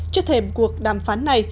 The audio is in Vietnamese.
trước thềm cuộc đàm phán này